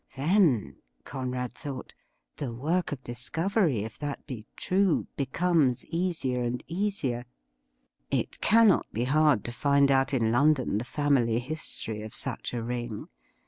' Then,' Conrad thought, ' the work of discovery, if that be true, becomes easier and easier. It THE SLAVE OF THE RING 13 cannot be hard to find out in London the family histoiy of such a ring.